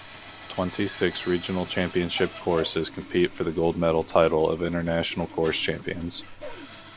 Twenty-six regional championship choruses compete for the gold medal title of International Chorus Champions.